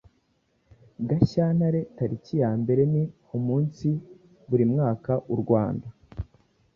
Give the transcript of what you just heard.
Gashyantare tariki ya mbere ni umunsi buri mwaka u Rwanda